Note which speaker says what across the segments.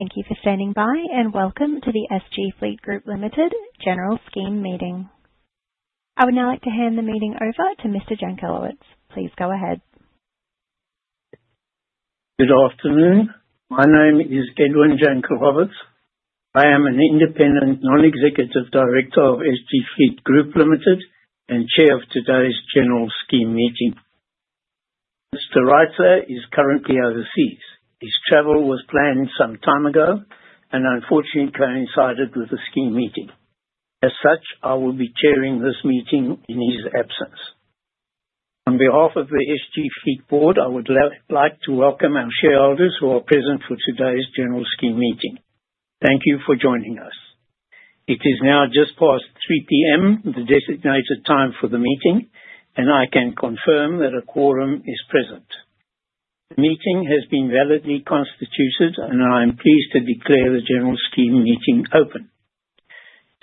Speaker 1: Thank you for standing by, and welcome to the SG Fleet Group Limited general scheme meeting. I would now like to hand the meeting over to Mr. Jankelowitz. Please go ahead.
Speaker 2: Good afternoon. My name is Edwin Jankelowitz. I am an independent non-executive director of SG Fleet Group Limited and chair of today's general scheme meeting. Mr. Reitzer is currently overseas. His travel was planned some time ago and unfortunately coincided with the scheme meeting. As such, I will be chairing this meeting in his absence. On behalf of the SG Fleet Board, I would like to welcome our shareholders who are present for today's general scheme meeting. Thank you for joining us. It is now just past 3:00 P.M., the designated time for the meeting, and I can confirm that a quorum is present. The meeting has been validly constituted, and I am pleased to declare the general scheme meeting open.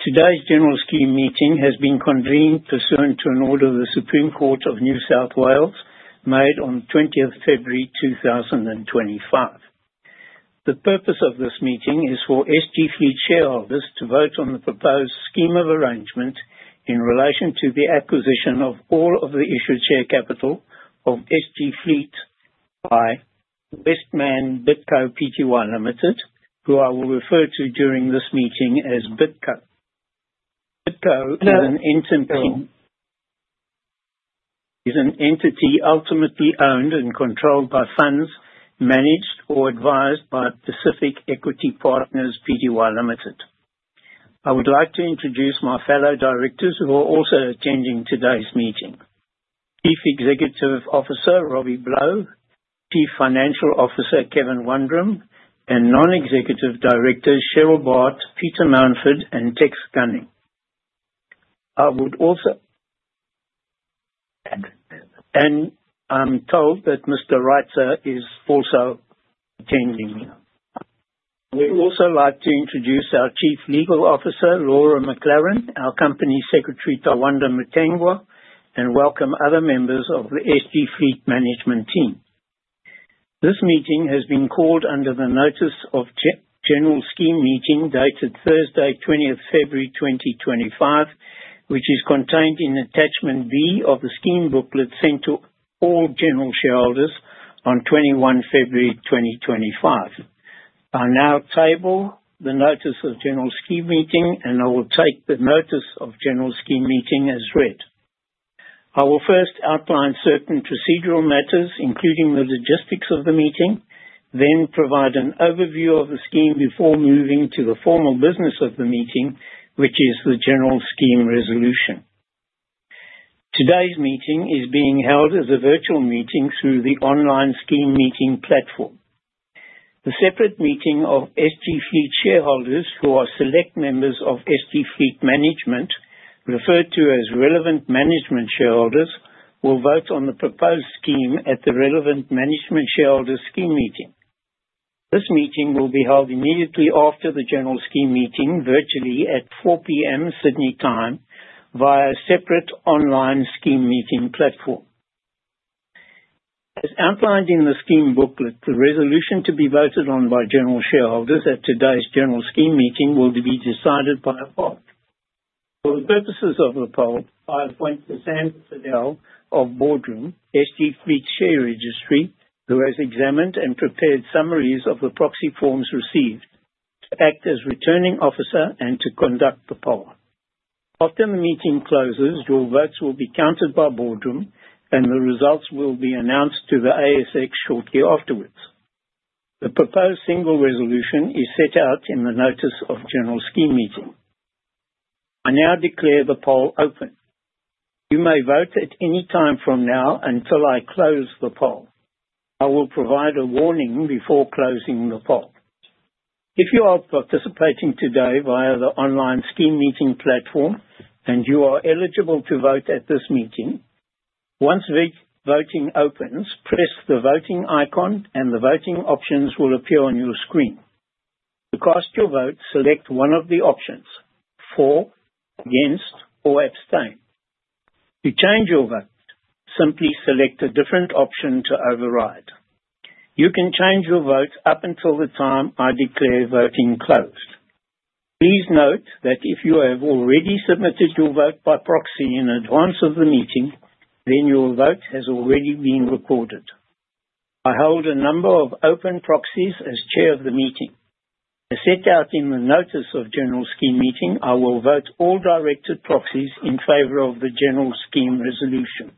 Speaker 2: Today's general scheme meeting has been convened pursuant to an order of the Supreme Court of New South Wales made on 20th February 2025. The purpose of this meeting is for SG Fleet shareholders to vote on the proposed scheme of arrangement in relation to the acquisition of all of the issued share capital of SG Fleet by Westmann Bidco Pty Limited, who I will refer to during this meeting as Bidco. Bidco is an entity ultimately owned and controlled by funds managed or advised by Pacific Equity Partners Pty Limited. I would like to introduce my fellow directors who are also attending today's meeting: Chief Executive Officer Robbie Blau, Chief Financial Officer Kevin Wundram, and Non-Executive Directors Cheryl Bart, Peter Manford, and Tex Gunning. I am told that Mr. Reitzer is also attending. We would also like to introduce our Chief Legal Officer, Laura McLaren, our Company Secretary, Tawanda Mutengwa, and welcome other members of the SG Fleet Management Team. This meeting has been called under the notice of general scheme meeting dated Thursday, 20 February 2025, which is contained in Attachment B of the Scheme Booklet sent to all general shareholders on 21 February 2025. I now table the notice of general scheme meeting, and I will take the notice of general scheme meeting as read. I will first outline certain procedural matters, including the logistics of the meeting, then provide an overview of the scheme before moving to the formal business of the meeting, which is the general scheme resolution. Today's meeting is being held as a virtual meeting through the online scheme meeting platform. The separate meeting of SG Fleet shareholders, who are select members of SG Fleet Management, referred to as relevant management shareholders, will vote on the proposed scheme at the relevant management shareholder scheme meeting. This meeting will be held immediately after the general scheme meeting, virtually at 4:00 P.M. Sydney time, via a separate online scheme meeting platform. As outlined in the scheme booklet, the resolution to be voted on by general shareholders at today's general scheme meeting will be decided by a vote. For the purposes of the poll, I appoint Sandra Fidel of Boardroom, SG Fleet's share registry, who has examined and prepared summaries of the proxy forms received to act as returning officer and to conduct the poll. After the meeting closes, your votes will be counted by Boardroom, and the results will be announced to the ASX shortly afterwards. The proposed single resolution is set out in the notice of general scheme meeting. I now declare the poll open. You may vote at any time from now until I close the poll. I will provide a warning before closing the poll. If you are participating today via the online scheme meeting platform and you are eligible to vote at this meeting, once voting opens, press the voting icon and the voting options will appear on your screen. To cast your vote, select one of the options: for, against, or abstain. To change your vote, simply select a different option to override. You can change your vote up until the time I declare voting closed. Please note that if you have already submitted your vote by proxy in advance of the meeting, then your vote has already been recorded. I hold a number of open proxies as Chair of the meeting. As set out in the notice of general scheme meeting, I will vote all directed proxies in favor of the general scheme resolution.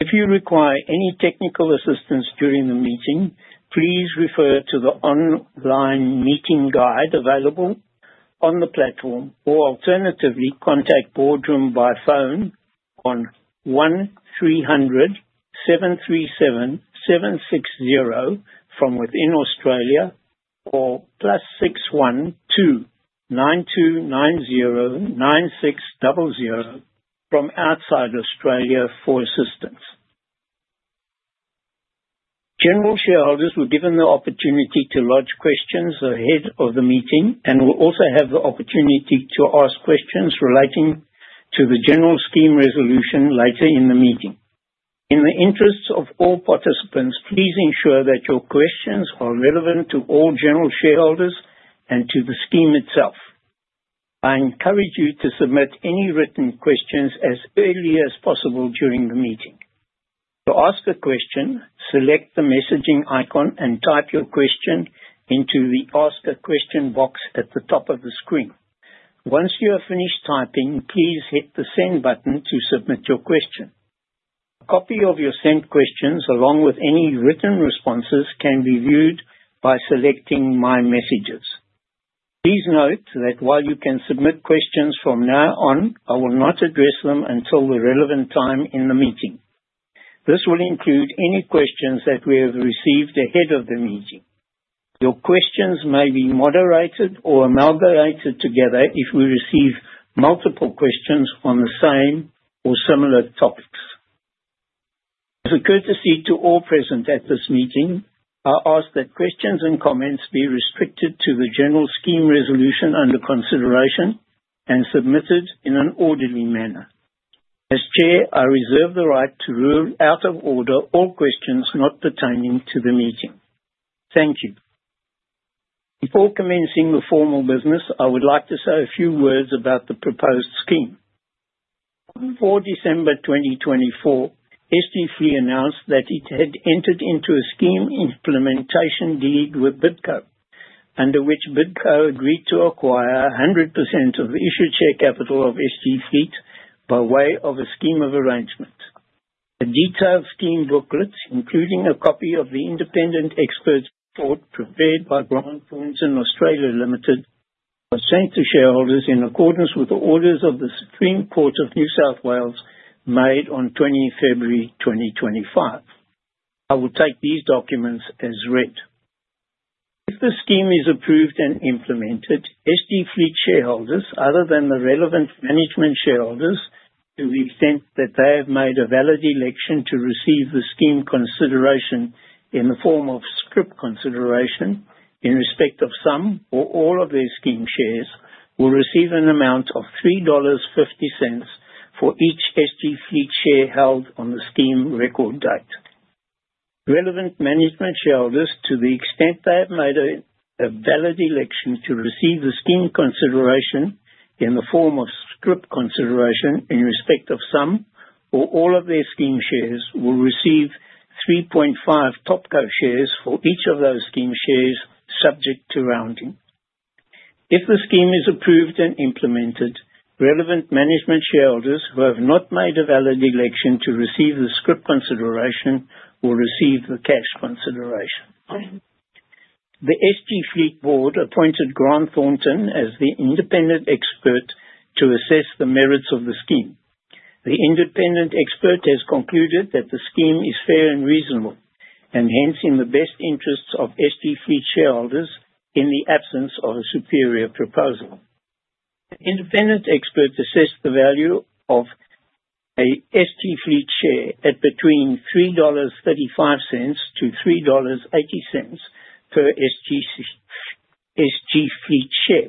Speaker 2: If you require any technical assistance during the meeting, please refer to the online meeting guide available on the platform or alternatively contact Boardroom by phone on 1300 737 760 from within Australia or +61 2 9290 9600 from outside Australia for assistance. General shareholders were given the opportunity to lodge questions ahead of the meeting and will also have the opportunity to ask questions relating to the general scheme resolution later in the meeting. In the interests of all participants, please ensure that your questions are relevant to all general shareholders and to the scheme itself. I encourage you to submit any written questions as early as possible during the meeting. To ask a question, select the messaging icon and type your question into the Ask a Question box at the top of the screen. Once you have finished typing, please hit the Send button to submit your question. A copy of your sent questions, along with any written responses, can be viewed by selecting My Messages. Please note that while you can submit questions from now on, I will not address them until the relevant time in the meeting. This will include any questions that we have received ahead of the meeting. Your questions may be moderated or amalgamated together if we receive multiple questions on the same or similar topics. As a courtesy to all present at this meeting, I ask that questions and comments be restricted to the general scheme resolution under consideration and submitted in an orderly manner. As chair, I reserve the right to rule out of order all questions not pertaining to the meeting. Thank you. Before commencing the formal business, I would like to say a few words about the proposed scheme. On 4 December 2024, SG Fleet announced that it had entered into a scheme implementation deed with Bidco, under which Bidco agreed to acquire 100% of the issued share capital of SG Fleet by way of a scheme of arrangement. A detailed scheme booklet, including a copy of the independent expert report prepared by Grant Thornton Australia Limited, was sent to shareholders in accordance with the orders of the Supreme Court of New South Wales made on 20 February 2025. I will take these documents as read. If the scheme is approved and implemented, SG Fleet shareholders, other than the relevant management shareholders, to the extent that they have made a valid election to receive the scheme consideration in the form of scrip consideration in respect of some or all of their scheme shares, will receive an amount of 3.50 dollars for each SG Fleet share held on the scheme record date. Relevant management shareholders, to the extent they have made a valid election to receive the scheme consideration in the form of SCRIP consideration in respect of some or all of their scheme shares, will receive 3.5 Topco shares for each of those scheme shares, subject to rounding. If the scheme is approved and implemented, relevant management shareholders who have not made a valid election to receive the SCRIP consideration will receive the cash consideration. The SG Fleet Board appointed Grant Thornton as the independent expert to assess the merits of the scheme. The independent expert has concluded that the scheme is fair and reasonable, and hence in the best interests of SG Fleet shareholders in the absence of a superior proposal. The independent expert assessed the value of an SG Fleet share at between 3.35-3.80 dollars per SG Fleet share.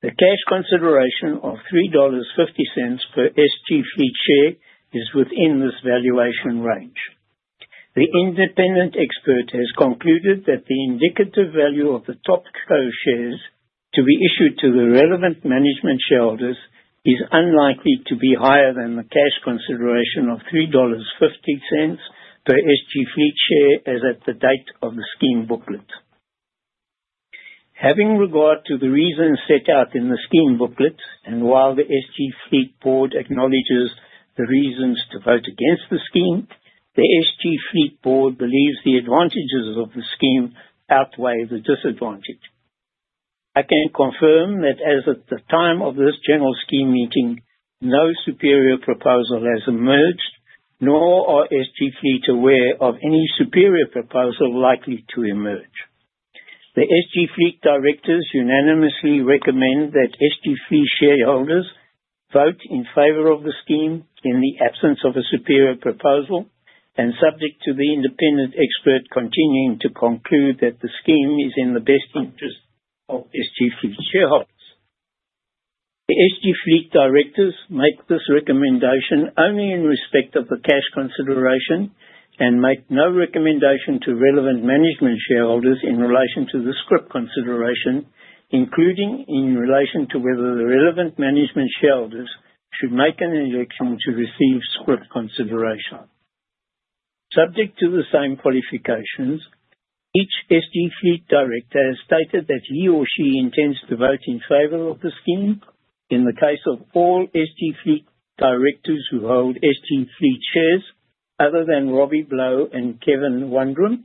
Speaker 2: The cash consideration of 3.50 dollars per SG Fleet share is within this valuation range. The independent expert has concluded that the indicative value of the Topco shares to be issued to the relevant management shareholders is unlikely to be higher than the cash consideration of 3.50 dollars per SG Fleet share as at the date of the scheme booklet. Having regard to the reasons set out in the scheme booklet, and while the SG Fleet Board acknowledges the reasons to vote against the scheme, the SG Fleet Board believes the advantages of the scheme outweigh the disadvantage. I can confirm that as at the time of this general scheme meeting, no superior proposal has emerged, nor are SG Fleet aware of any superior proposal likely to emerge. The SG Fleet Directors unanimously recommend that SG Fleet shareholders vote in favor of the scheme in the absence of a superior proposal, and subject to the independent expert continuing to conclude that the scheme is in the best interest of SG Fleet shareholders. The SG Fleet Directors make this recommendation only in respect of the cash consideration and make no recommendation to relevant management shareholders in relation to the SCRIP consideration, including in relation to whether the relevant management shareholders should make an election to receive SCRIP consideration. Subject to the same qualifications, each SG Fleet Director has stated that he or she intends to vote in favor of the scheme in the case of all SG Fleet Directors who hold SG Fleet shares other than Robbie Blau and Kevin Wundram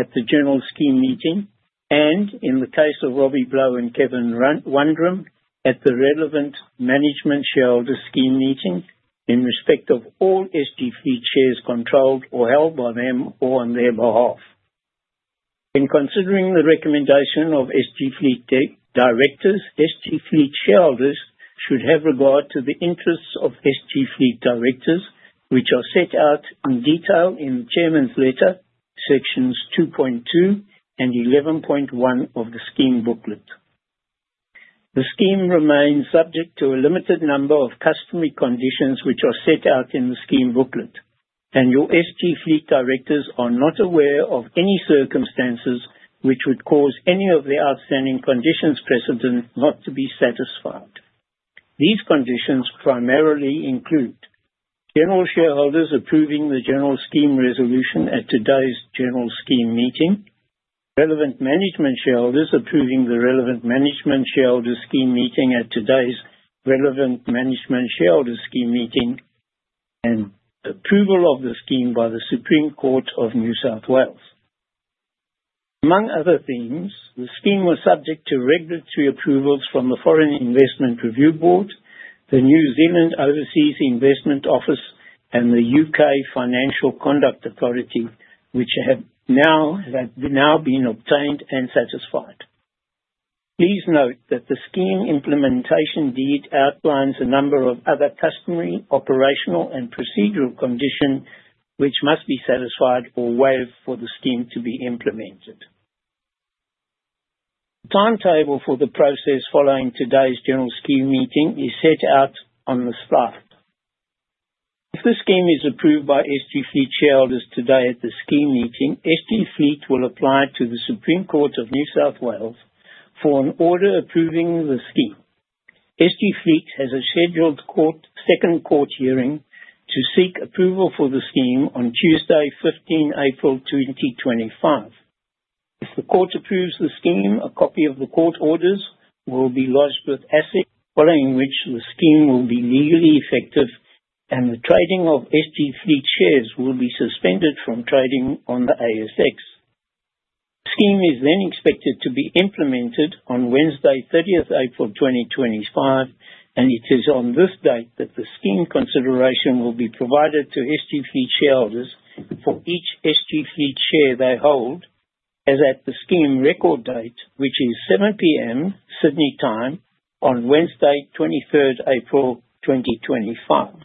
Speaker 2: at the general scheme meeting, and in the case of Robbie Blau and Kevin Wundram at the relevant management shareholder scheme meeting in respect of all SG Fleet shares controlled or held by them or on their behalf. In considering the recommendation of SG Fleet Directors, SG Fleet shareholders should have regard to the interests of SG Fleet Directors, which are set out in detail in the Chairman's Letter, Sections 2.2 and 11.1 of the scheme booklet. The scheme remains subject to a limited number of customary conditions which are set out in the scheme booklet, and your SG Fleet Directors are not aware of any circumstances which would cause any of the outstanding conditions present not to be satisfied. These conditions primarily include: general shareholders approving the general scheme resolution at today's general scheme meeting, relevant management shareholders approving the relevant management shareholder scheme meeting at today's relevant management shareholder scheme meeting, and approval of the scheme by the Supreme Court of New South Wales. Among other things, the scheme was subject to regulatory approvals from the Foreign Investment Review Board, the New Zealand Overseas Investment Office, and the UK Financial Conduct Authority, which have now been obtained and satisfied. Please note that the Scheme Implementation Deed outlines a number of other customary operational and procedural conditions which must be satisfied or waived for the scheme to be implemented. The timetable for the process following today's general scheme meeting is set out on the slide. If the scheme is approved by SG Fleet shareholders today at the scheme meeting, SG Fleet will apply to the Supreme Court of New South Wales for an order approving the scheme. SG Fleet has a scheduled second court hearing to seek approval for the scheme on Tuesday, 15 April 2025. If the court approves the scheme, a copy of the court orders will be lodged with. Following which, the scheme will be legally effective and the trading of SG Fleet shares will be suspended from trading on the ASX. The scheme is then expected to be implemented on Wednesday, 30 April 2025, and it is on this date that the scheme consideration will be provided to SG Fleet shareholders for each SG Fleet share they hold as at the scheme record date, which is 7:00 P.M. Sydney time on Wednesday, 23 April 2025.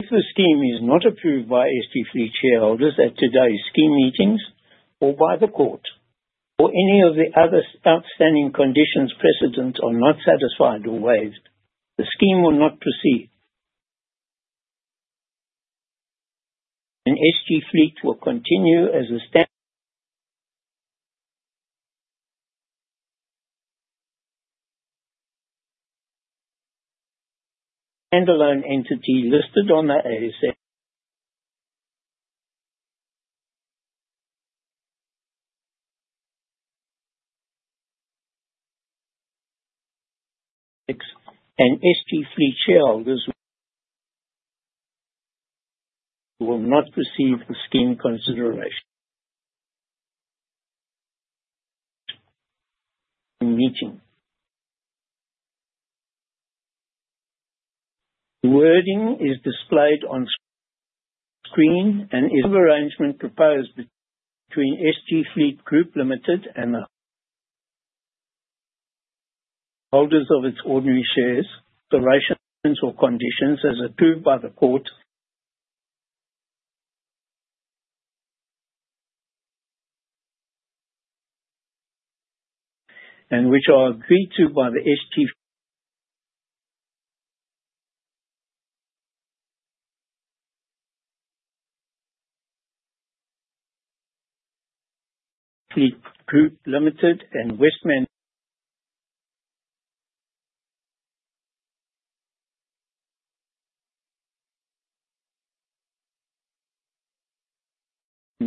Speaker 2: If the scheme is not approved by SG Fleet shareholders at today's scheme meetings or by the court, or any of the other outstanding conditions precedent are not satisfied or waived, the scheme will not proceed. SG Fleet will continue as a standalone entity listed on the ASX, and SG Fleet shareholders will not receive the scheme consideration in the meeting. The wording is displayed on screen. Of arrangement proposed between SG Fleet Group Limited and the holders of its ordinary shares, the rations or conditions as approved by the court and which are agreed to by the SG Fleet Group Limited and Westmann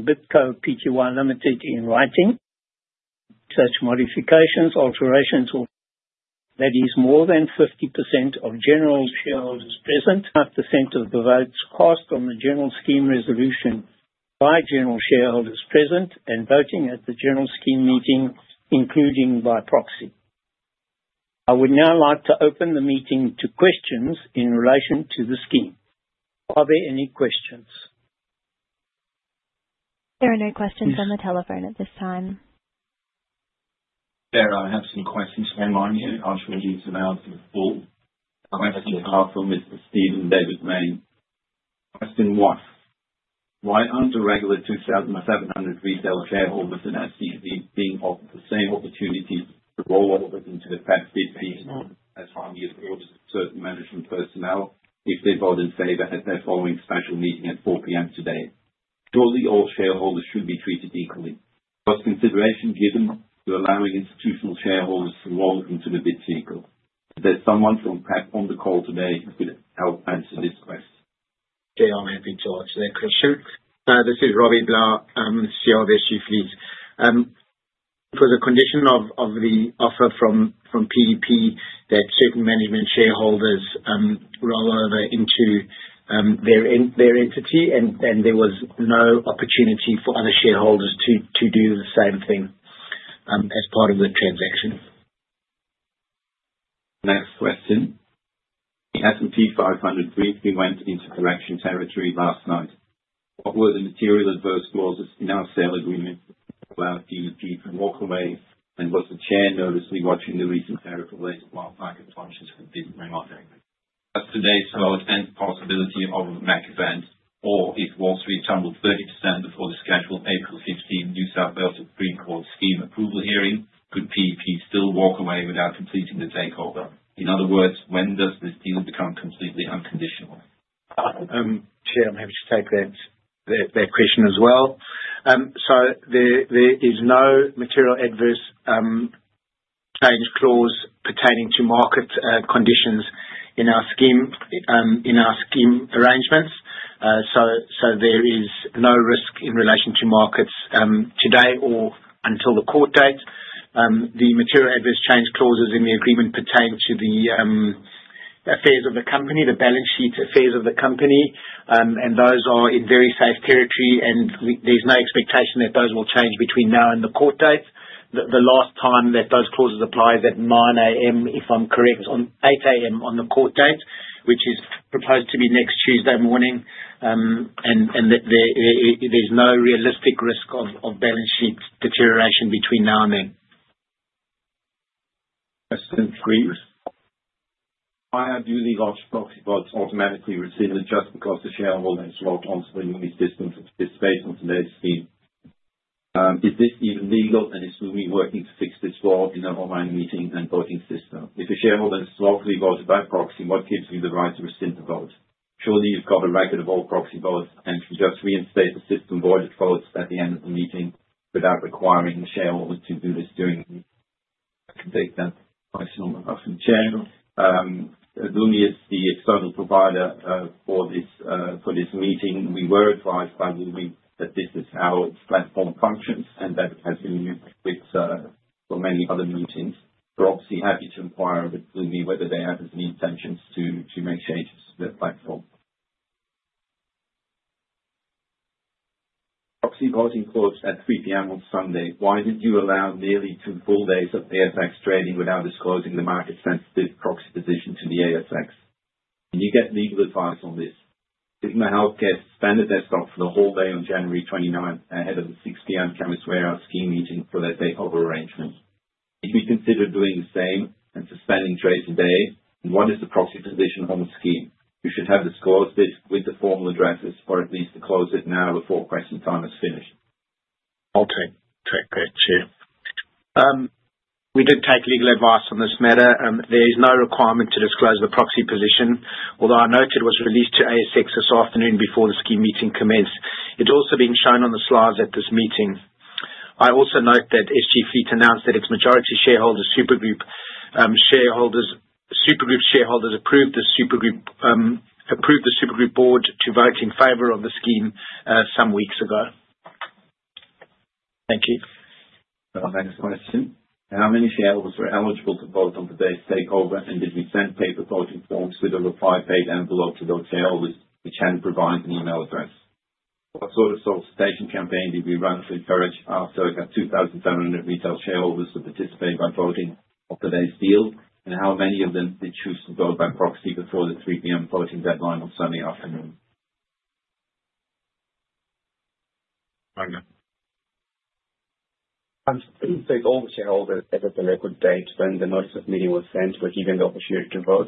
Speaker 2: Bidco Pty Limited in writing. Such modifications, alterations. That is more than 50% of general shareholders present. 25% of the votes cast on the general scheme resolution by general shareholders present and voting at the general scheme meeting, including by proxy. I would now like to open the meeting to questions in relation to the scheme. Are there any questions?
Speaker 1: There are no questions on the telephone at this time.
Speaker 2: Sarah, I have some questions for you. I'm sure you've survived the call. Question from Mr. Stephen Mayne Question one. Why aren't the regular 2,700 retail shareholders in SG Fleet being offered the same opportunities to roll over into the FAT FIP as far as certain management personnel if they vote in favor at their following special meeting at 4:00 P.M. today? Surely all shareholders should be treated equally. What consideration given to allowing institutional shareholders to roll into the Bid circle? There's someone from PEP fund on the call today who could help answer this question.
Speaker 3: Okay, I'm happy to answer that question. Sure. This is Robbie Blau, CEO of SG Fleet. It was a condition of the offer from PEP that certain management shareholders roll over into their entity, and there was no opportunity for other shareholders to do the same thing as part of the transaction.
Speaker 2: Next question. The S&P 500 briefly went into correction territory last night. What were the material adverse clauses in our sale agreement about PEP from Walk Away, and was the chair noticed watching the recent tariff of late while market functions have been remote?
Speaker 3: As today's lowest possibility of a MAC event, or if Wall Street tumbled 30% before the scheduled April 15 New South Wales Supreme Court scheme approval hearing, could PEP still walk away without completing the takeover? In other words, when does this deal become completely unconditional? Chair, I'm happy to take that question as well. There is no material adverse change clause pertaining to market conditions in our scheme arrangements. There is no risk in relation to markets today or until the court date.
Speaker 2: The material adverse change clauses in the agreement pertain to the affairs of the company, the balance sheet affairs of the company, and those are in very safe territory, and there's no expectation that those will change between now and the court date. The last time that those clauses apply is at 9:00 A.M., if I'm correct, on 8:00 A.M. on the court date, which is proposed to be next Tuesday morning, and that there's no realistic risk of balance sheet deterioration between now and then. Question three. Why are dually lodged proxy votes automatically rescinded just because the shareholder has voted onto the Lumi system participation today's scheme? Is this even legal, and is we working to fix this law in an online meeting and voting system? If a shareholder has selectively voted by proxy, what gives you the right to rescind the vote? Surely you've got a record of all proxy votes, and you just reinstate the system voided votes at the end of the meeting without requiring the shareholder to do this during the meeting. I can take that question from the chair. Lumi is the external provider for this meeting. We were advised by Lumi that this is how its platform functions and that it has been used for many other meetings. We're obviously happy to inquire with Lumi whether they have any intentions to make changes to their platform. Proxy voting closed at 3:00 P.M. on Sunday. Why did you allow nearly two full days of ASX trading without disclosing the market-sensitive proxy position to the ASX? Can you get legal advice on this? Sigma Healthcare suspended their stock for the whole day on January 29th ahead of the 6:00 P.M. Chemist Warehouse scheme meeting for their takeover arrangement. Should we consider doing the same and suspending trade today? What is the proxy position on the scheme? You should have disclosed this with the formal addresses or at least close it now before question time has finished. Okay. Thank you. We did take legal advice on this matter. There is no requirement to disclose the proxy position, although I note it was released to ASX this afternoon before the scheme meeting commenced. It is also been shown on the slides at this meeting. I also note that SG Fleet announced that its majority shareholders, Supergroup shareholders, Supergroup shareholders approved the Super Group board to vote in favor of the scheme some weeks ago. Thank you. Next question. How many shareholders were eligible to vote on today's takeover and did we send paper voting forms with a reply page envelope to those shareholders which had not provided an email address? What sort of solicitation campaign did we run to encourage our circa 2,700 retail shareholders to participate by voting on today's deal, and how many of them did choose to vote by proxy before the 3:00 P.M. voting deadline on Sunday afternoon? Okay. Did we take all the shareholders at the record date when the notice of meeting was sent with even the opportunity to vote?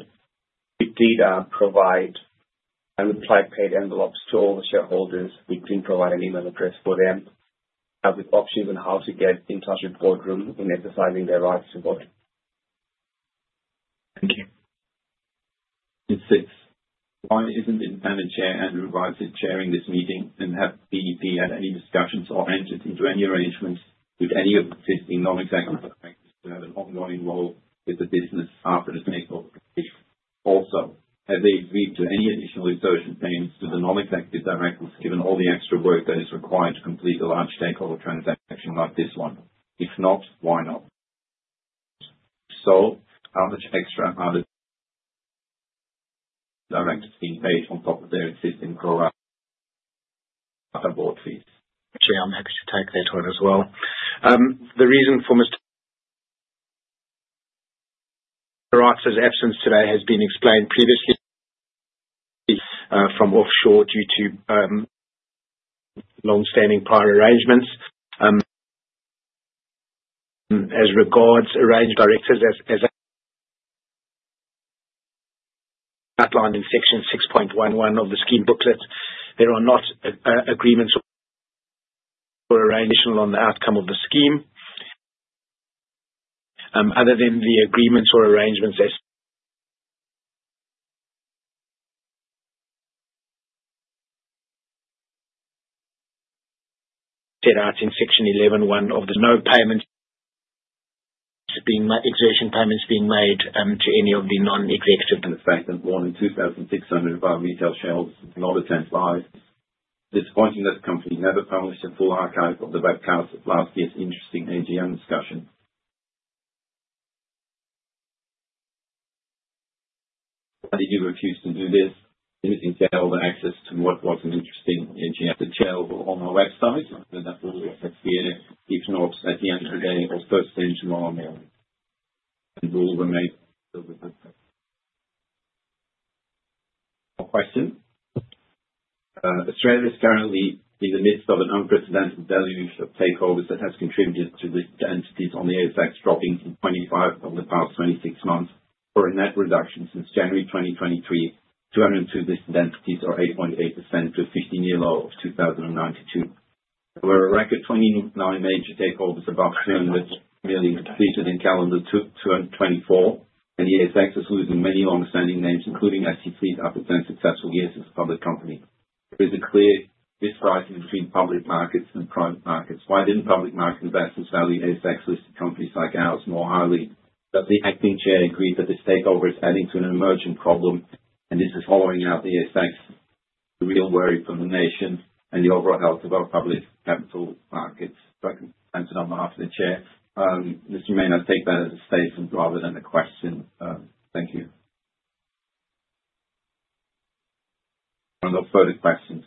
Speaker 2: We did provide a reply page envelope to all the shareholders. We did not provide an email address for them with options on how to get in touch with Boardroom in exercising their rights to vote. Thank you. Question six. Why is not the independent chair Andrew Reitzer chairing this meeting and have DEP had any discussions or entered into any arrangements with any of the existing non-executive directors who have an ongoing role with the business after the takeover? Also, have they agreed to any additional exertion payments to the non-executive directors given all the extra work that is required to complete a large takeover transaction like this one? If not, why not? Also, how much extra are the directors being paid on top of their existing pro-rata board fees? Actually, I'm happy to take that one as well. The reason for Mr. Reitzer absence today has been explained previously from offshore due to long-standing prior arrangements. As regards arranged directors, as outlined in section 6.11 of the scheme booklet, there are not agreements or arrangements on the outcome of the scheme. Other than the agreements or arrangements set out in section 11(1) of the. No payments being made to any of the non-executive. 2,200 and 2,600 of our retail shareholders have not attended. Why? Disappointing that the company never published a full archive of the webcast of last year's interesting AGM discussion. Why did you refuse to do this? Limiting shareholder access to what wasn't interesting in. The chair will honor our website. That will be SGF website at the end of the day or first thing tomorrow morning. We will remain open to discussion. Question. Australia is currently in the midst of an unprecedented deluge of takeovers that has contributed to listed entities on the ASX dropping from 2,500 over the past 26 months. For a net reduction since January 2023, 202 listed entities are 8.8% to a 15-year low of 2,092. There were a record 29 major takeovers above AUD 200 million completed in calendar 2024, and the ASX is losing many long-standing names, including SG Fleet, after 10 successful years as a public company. There is a clear disparity between public markets and private markets. Why didn't public market investors value ASX-listed companies like ours more highly? Does the acting chair agree that this takeover is adding to an emerging problem, and is the following out the ASX the real worry for the nation and the overall health of our public capital markets? Question answered on behalf of the chair. Mr. Mayne, I take that as a statement rather than a question. Thank you. Are there no further questions?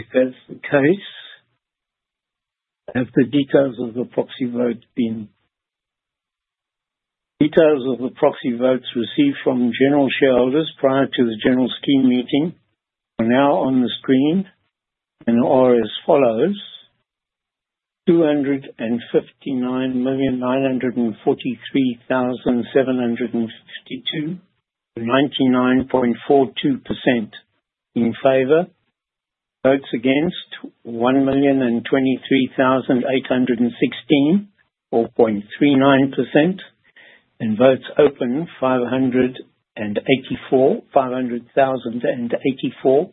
Speaker 2: If that's the case, have the details of the proxy votes been? Details of the proxy votes received from general shareholders prior to the general scheme meeting are now on the screen and are as follows: 259,943,752, 99.42% in favor, votes against 1,023,816, 4.39%, and votes open 584, 500,084,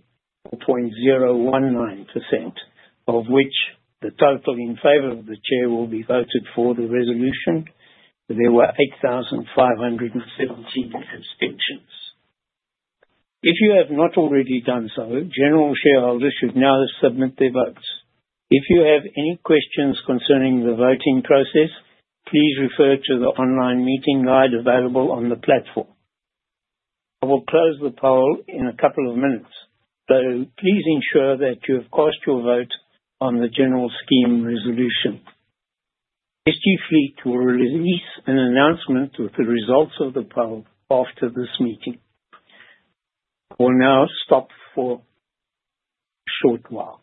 Speaker 2: 4.019%, of which the total in favor of the chair will be voted for the resolution. There were 8,517 abstentions. If you have not already done so, general shareholders should now submit their votes. If you have any questions concerning the voting process, please refer to the online meeting guide available on the platform. I will close the poll in a couple of minutes, so please ensure that you have cast your vote on the general scheme resolution. SG Fleet will release an announcement with the results of the poll after this meeting. We will now stop for a short while.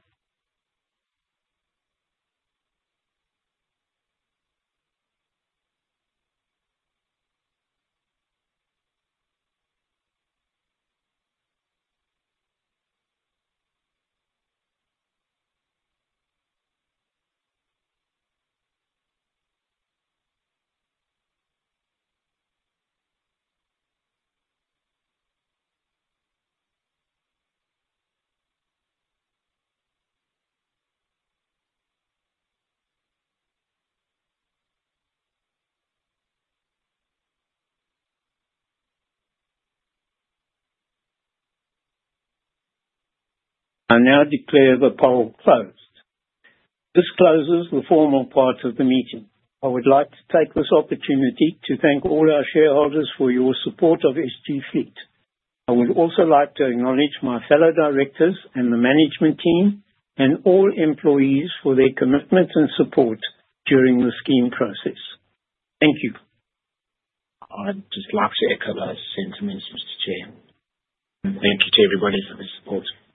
Speaker 2: I now declare the poll closed. This closes the formal part of the meeting. I would like to take this opportunity to thank all our shareholders for your support of SG Fleet. I would also like to acknowledge my fellow directors and the management team and all employees for their commitment and support during the scheme process. Thank you.
Speaker 3: I'd just like to echo those sentiments, Mr. Chair. Thank you to everybody for their support.